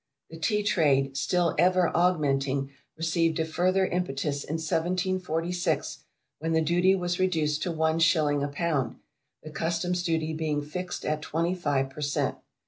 The Tea trade, still ever augmenting, received a further impetus in 1746, when the duty was reduced to one shilling a pound, the Customs' duty being fixed at 25 per cent.